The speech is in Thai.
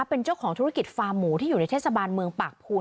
เป็นเจ้าของธุรกิจฟาร์มหมูที่อยู่ในเทศบาลเมืองปากภูน